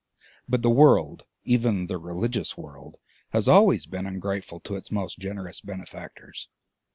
But the world, even the religious world, has always been ungrateful to its most generous benefactors.